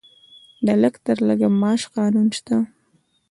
د لږ تر لږه معاش قانون شته؟